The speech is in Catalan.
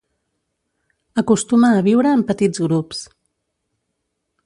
Acostuma a viure en petits grups.